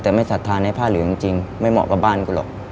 แต่ไม่ศรัทธาในผ้าเหลืองจริงไม่เหมาะกับบ้านกูหรอก